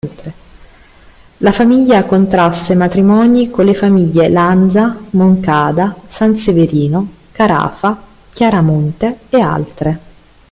La famiglia contrasse matrimoni con le famiglie Lanza, Moncada, Sanseverino, Carafa, Chiaramonte e altre.